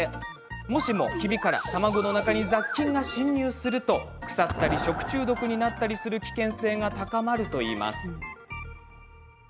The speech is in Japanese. もしも、ひびから卵の中に雑菌が侵入すると腐ったり食中毒になったりする危険性が高まるといいます。